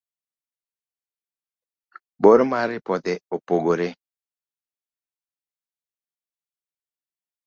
bor mar ripode opogore